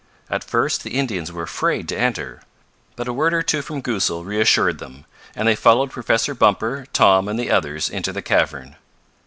At first the Indians were afraid to enter, but a word or two from Goosal reassured them, and they followed Professor Bumper, Tom, and the others into the cavern.